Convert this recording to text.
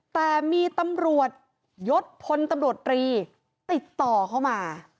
แต่มีตำรวจยศพลตำรวจรีติดต่อเข้ามา